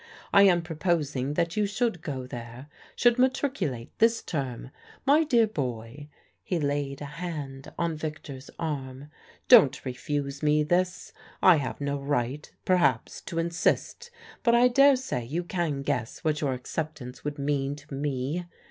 I am proposing that you should go there should matriculate this term. My dear boy" he laid a hand on Victor's arm " don't refuse me this. I have no right perhaps to insist; but I daresay you can guess what your acceptance would mean to me.